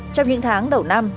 trong những tháng đầu năm